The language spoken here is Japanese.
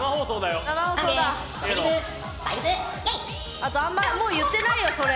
あとあんまもう言ってないよそれ。